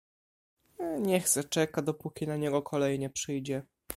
"Niech zaczeka, dopóki na niego kolej nie przyjdzie."